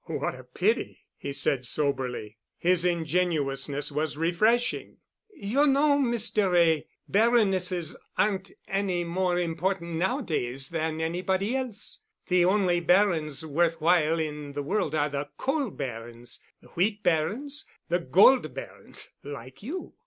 "What a pity," he said soberly. His ingenuousness was refreshing. "You know, Mr. Wray, baronesses aren't any more important nowadays than anybody else. The only barons worth while in the world are the Coal Barons, the Wheat Barons, the Gold Barons, like you."